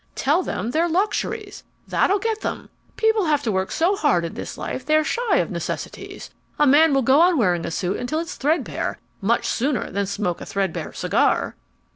Tell them they're luxuries. That'll get them! People have to work so hard in this life they're shy of necessities. A man will go on wearing a suit until it's threadbare, much sooner than smoke a threadbare cigar.